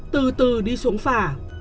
từ từ đi xuống phả